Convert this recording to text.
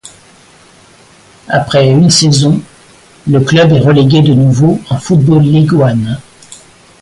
Après une saison, le club est relégué de nouveau en Football League One.